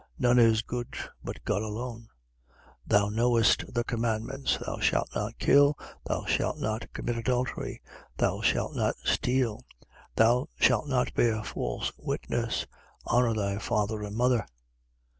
None is good but God alone. 18:20. Thou knowest the commandments: Thou shalt not kill. Thou shalt not commit adultery: Thou shalt not steal: Thou shalt not bear false witness: Honour thy father and mother.